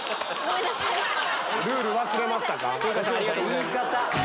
言い方！